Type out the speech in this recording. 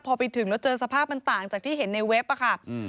พอไปถึงแล้วเจอสภาพมันต่างจากที่เห็นในเว็บอะค่ะ